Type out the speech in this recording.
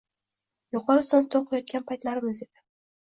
Yuqori sinfda o‘qigan paytlarimiz edi.